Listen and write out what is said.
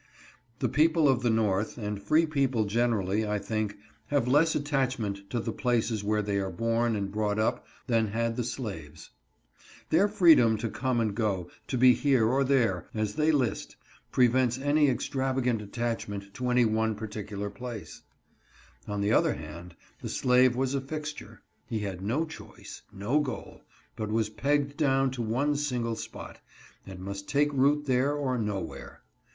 The people of the North, and free people generally, I think, have less attachment to the places where they are born and brought up than had the slaves. Their freedom to come and go, to be here or there, as they list, prevents any extravagant attachment to any one particular place. plummer's rule on their backs. 119 On the other hand, the slave was a fixture ; he had no i choice, no goal, but was pegged down to one single spot, and must take root there or nowhere.